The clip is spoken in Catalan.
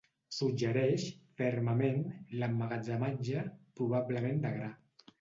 Suggereix fermament l'emmagatzematge, probablement de gra.